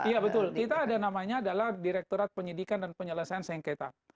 iya betul kita ada namanya adalah direkturat penyidikan dan penyelesaian sengketa